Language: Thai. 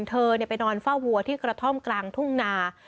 เธอไปนอนเฝ้าวัวที่กระท่อมกลางทุ่งนา